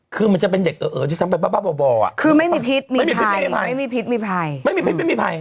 คือมันจะเป็นเด็กเอ่อที่ซ้ำไปบ่ออ่ะไม่มีพิษมีภัยไม่มีภัย